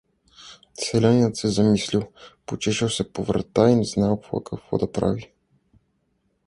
Селянинът се замислил, почесал се по врата и не знаел какво да прави.